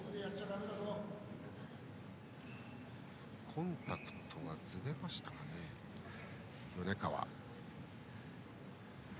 コンタクトがずれましたかね米川。